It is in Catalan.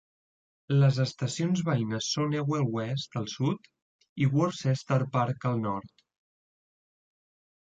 Les estacions veïnes són Ewell West al sud i Worcester Park al nord.